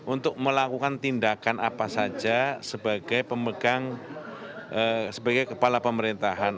untuk melakukan tindakan apa saja sebagai kepala pemerintahan